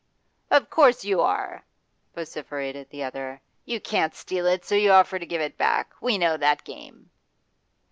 'Of course you are!' vociferated the other. 'You can't steal it, so you offer to give it back. We know that game.